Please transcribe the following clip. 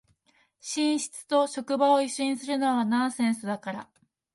寝室と職場を一緒にするのはナンセンスだから